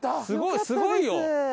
すごいすごいよ。